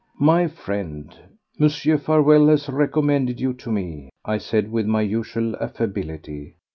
"My friend Mr. Farewell has recommended you to me," I said with my usual affability.